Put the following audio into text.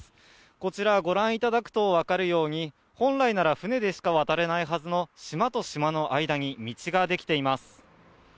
こちら御覧いただくと分かるように本来なら船でしか渡れないはずの島と島との間に道ができています。